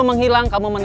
kau kesana nek ed